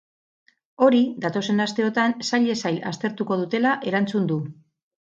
Hori datozen asteotan sailez sail aztertuko dutela erantzun du.